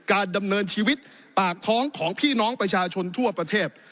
การดำเนินชีวิตปากท้องของพี่น้องประชาชนทั่วประเทศ